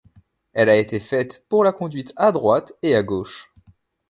Elle a été faite pour la conduite à droite et à gauche.